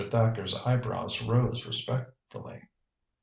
Thacker's eyebrows rose respectfully.